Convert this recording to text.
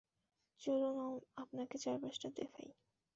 চলুন আপনাকে চারপাশটা দেখাই।